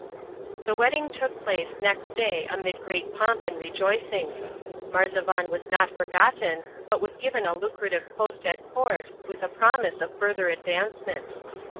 The wedding took place next day amidst great pomp and rejoicings. Marzavan was not forgotten, but was given a lucrative post at court, with a promise of further advancement.